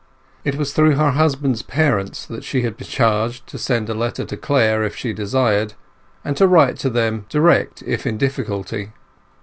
It was through her husband's parents that she had been charged to send a letter to Clare if she desired; and to write to them direct if in difficulty.